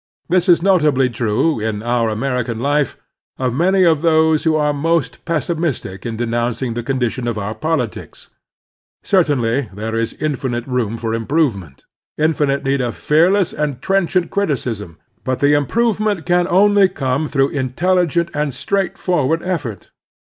This is notably true in our American life of many of those who are most pessimistic in denotmcing the condition of oxu* politics. Certainly there is infinite room for improvement, infinite need of fearless and trenchant criticism; but the im provement can only come through intelligent and straightforward effort.